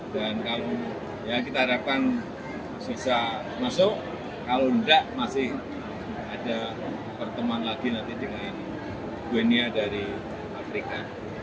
dan kalau kita harapkan bisa masuk kalau enggak masih ada perteman lagi nanti dengan gwennia dari afrika